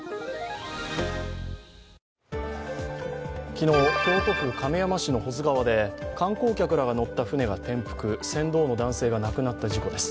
昨日、京都府亀山市の保津川で観光客らが乗った舟が転覆船頭の男性が亡くなった事故です。